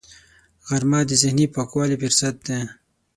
غرمه د ذهني پاکوالي فرصت دی